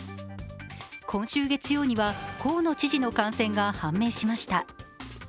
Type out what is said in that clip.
今週月曜には河野知事の感染が判明しました。